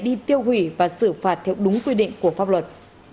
đi tiêu hủy và xử phạt theo đúng quy định của pháp luật